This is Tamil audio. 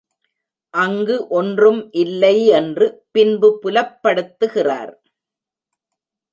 அங்கு ஒன்றும் இல்லை என்று பின்பு புலப்படுத்துகிறார்.